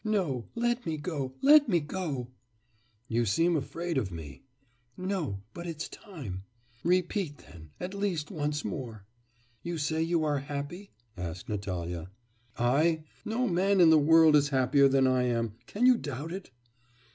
'No, let me go, let me go.' 'You seem afraid of me.' 'No, but it's time.' 'Repeat, then, at least once more.'... 'You say you are happy?' asked Natalya. 'I? No man in the world is happier than I am! Can you doubt it?